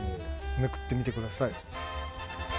めくってみてください。